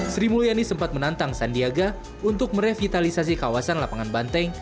sri mulyani sempat menantang sandiaga untuk merevitalisasi kawasan lapangan banteng